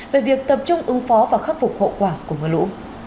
về việc tập trung ứng phó và khắc phục hậu quả của mưa lũ